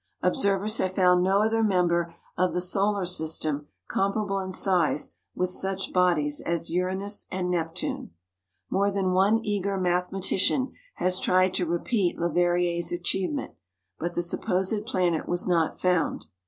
Observers have found no other member of the solar system comparable in size with such bodies as Uranus and Neptune. More than one eager mathematician has tried to repeat Leverrier's achievement, but the supposed planet was not found.